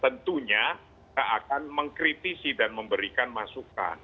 tentunya kita akan mengkritisi dan memberikan masukan